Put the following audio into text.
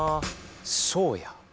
そうや。